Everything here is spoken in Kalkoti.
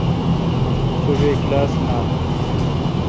چو بے کلاس نال۔